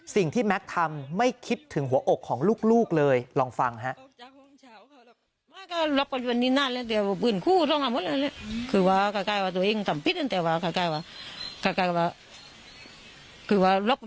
แม็กซ์ทำไม่คิดถึงหัวอกของลูกเลยลองฟังฮะ